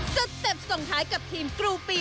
สเต็ปส่งท้ายกับทีมกรูปี